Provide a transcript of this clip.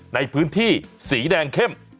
ในพื้นที่สีแดงเข้ม